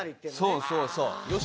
そうそうそう。